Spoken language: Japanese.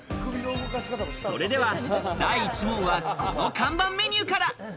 それでは第１問は、この看板メニューから。